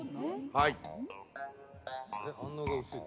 はい。